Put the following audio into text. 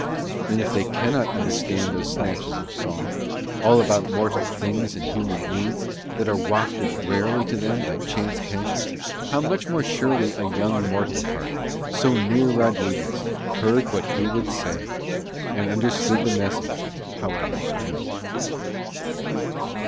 And if they cannot understand those snatches of song, all about mortal things and human needs, that are wafted rarely to them by chance passions, how much more surely a young mortal heart, so near Rodriguez, heard what he would say and understood the message however strange.